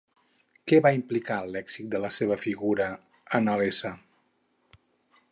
Què va implicar l'èxit de la seva figura en el s.